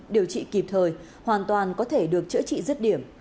điều trị kịp thời hoàn toàn có thể được chữa trị rứt điểm